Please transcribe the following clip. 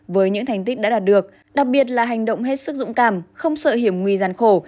với những thành tích đã đạt được đặc biệt là hành động hết sức dũng cảm không sợ hiểm nguy gian khổ